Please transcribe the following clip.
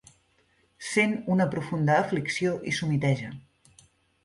Sent una profunda aflicció i s'humiteja.